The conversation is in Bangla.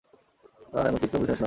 ওহ, তেমন কিছু না, সোনামণি।